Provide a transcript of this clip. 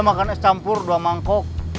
makan es campur dua mangkok